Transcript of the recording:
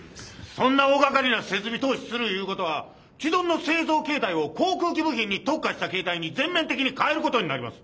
そんな大がかりな設備投資するいうことは既存の製造形態を航空機部品に特化した形態に全面的に変えることになります。